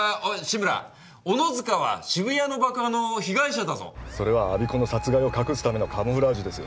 志村小野塚は渋谷の爆破の被害者だぞそれは我孫子の殺害を隠すためのカムフラージュです